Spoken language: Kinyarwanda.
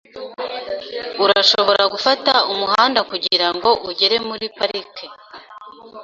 Urashobora gufata umuhanda kugirango ugere muri parike.